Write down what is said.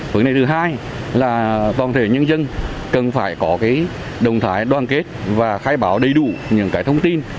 phương này thứ hai là toàn thể nhân dân cần phải có cái động thái đoàn kết và khai báo đầy đủ những cái thông tin